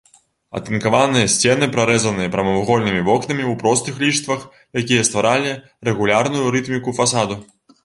Атынкаваныя сцены прарэзаныя прамавугольнымі вокнамі ў простых ліштвах, якія стваралі рэгулярную рытміку фасаду.